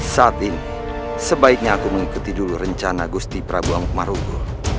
saat ini sebaiknya aku mengikuti dulu rencana gusti prabu amuk marogo